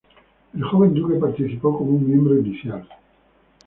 El joven duque participó como un miembro inicial.